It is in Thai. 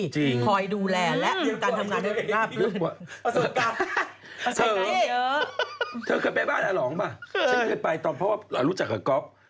ฉันเคยไปตอนรู้จักกับก๊อก